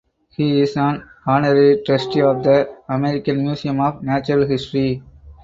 He is an honorary trustee of the American Museum of Natural History.